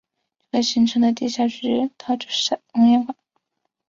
这个形成的地下渠道就是熔岩管。